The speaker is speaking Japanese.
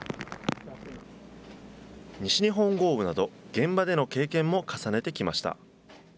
西日本豪雨など、現場での経験も重ねてきました。